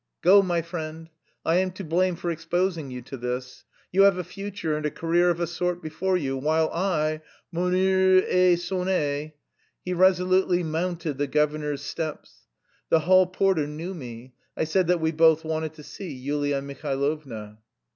"Go, my friend; I am to blame for exposing you to this. You have a future and a career of a sort before you, while I mon heure est sonnée." He resolutely mounted the governor's steps. The hall porter knew me; I said that we both wanted to see Yulia Mihailovna.